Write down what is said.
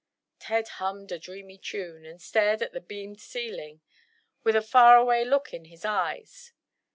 Ted hummed a dreamy tune, and stared at the beamed ceiling, with a faraway look in his eyes.